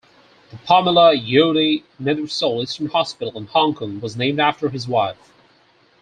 The Pamela Youde Nethersole Eastern Hospital in Hong Kong was named after his wife.